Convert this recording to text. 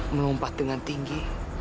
melompat dengan tinggi